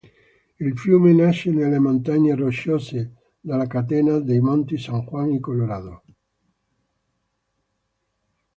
Il fiume nasce nelle Montagne Rocciose dalla catena dei monti San Juan in Colorado.